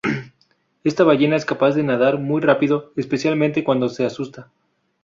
Esta ballena es capaz de nadar muy rápido, especialmente cuando se asusta.